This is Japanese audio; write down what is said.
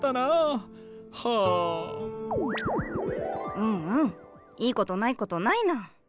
うんうんいいことないことないナン。